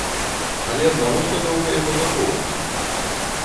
Але навошта доўга яго захоўваць?